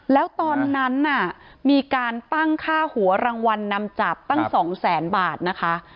แล้วตอนนั้นน่ะมีการตั้งค่าหัวรางวัลนำจับตั้ง๒แสนบาทนะคะ